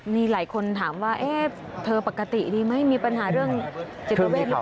นี่หลายคนถามว่าเธอปกติดีไหมมีปัญหาเรื่องจิตเวทหรือเปล่า